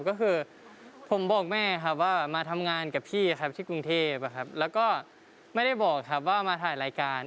ก็คือผมบอกแม่ครับว่ามาทำงานกับพี่ครับที่กรุงเทพแล้วก็ไม่ได้บอกครับว่ามาถ่ายรายการ